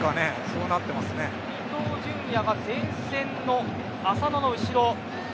伊東純也は前線の浅野の後ろ。